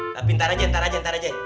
eh tapi ntar aja ntar aja ntar aja